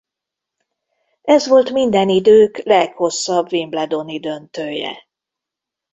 Ez volt minden idők leghosszabb wimbledoni döntője.